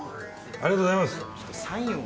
ありがとうございます。